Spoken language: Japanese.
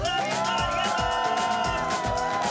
ありがとう。